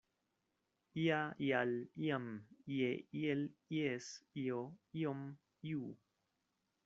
Ia, ial, iam, ie, iel, ies, io, iom, iu.